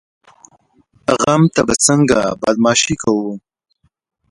غم ته به څنګه بدماشي کوو؟